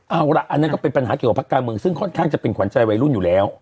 เอาล่ะอันนั้นก็เป็นปัญหาเกี่ยวกับภาคการเมืองซึ่งค่อนข้างจะเป็นขวัญใจวัยรุ่นอยู่แล้ว